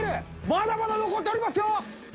まだまだ残っておりますよ！